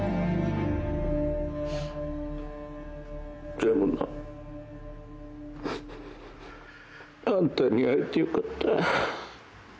でもな。あんたに会えてよかった。